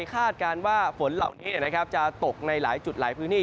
คาดการณ์ว่าฝนเหล่านี้จะตกในหลายจุดหลายพื้นที่